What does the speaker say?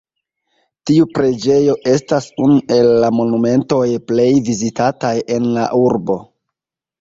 Tiu preĝejo estas unu el la monumentoj plej vizitataj en la urbo.